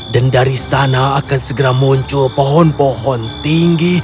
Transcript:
dan dari sana akan segera muncul pohon pohon tinggi